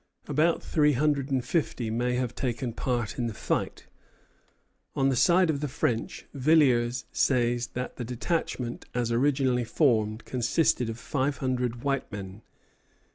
About three hundred and fifty may have taken part in the fight. On the side of the French, Villiers says that the detachment as originally formed consisted of five hundred white men.